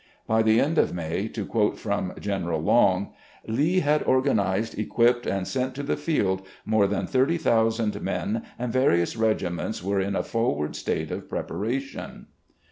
By the end of May, to quote from General Long, "Lee had organised, equipped, and sent to the field more than thirty thousand men, and various regiments were in a forward state of preparation."